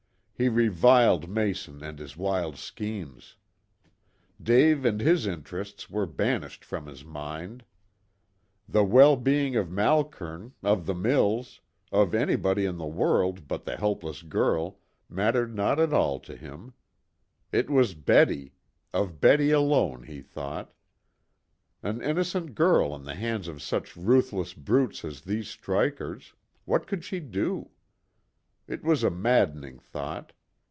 He reviled Mason and his wild schemes. Dave and his interests were banished from his mind. The well being of Malkern, of the mills, of anybody in the world but the helpless girl, mattered not at all to him. It was Betty of Betty alone he thought. An innocent girl in the hands of such ruthless brutes as these strikers what could she do? It was a maddening thought.